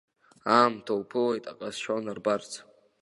Аамҭа уԥылоит аҟазшьа унарбарц.